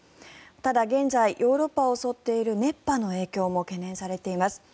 ただ現在、ヨーロッパを襲っている熱波の影響も懸念されています。